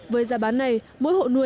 với giá bán này mỗi hộ nuôi